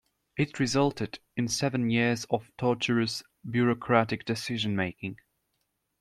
It resulted in seven years of tortuous bureaucratic decision making.